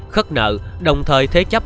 khất nợ đồng thời thế chấp